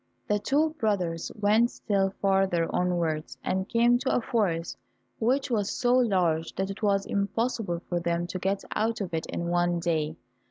The two brothers went still farther onwards, and came to a forest which was so large that it was impossible for them to get out of it in one day.